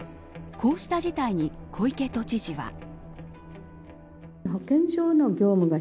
こうした事態に小池都知事は。